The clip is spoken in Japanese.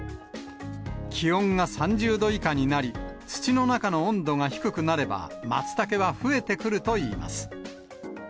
気温が３０度以下になり、土の中の温度が低くなれば、マツタケは増えてくるといいます。